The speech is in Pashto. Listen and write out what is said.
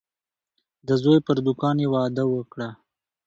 د زوی پر دوکان یې وعده وکړه.